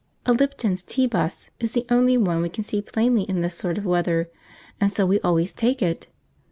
A Lipton's Tea 'bus is the only one we can see plainly in this sort of weather, and so we always take it.